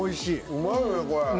うまいねこれ。